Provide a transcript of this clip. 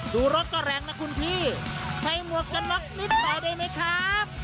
รถก็แรงนะคุณพี่ใส่หมวกกันน็อกนิดหน่อยได้ไหมครับ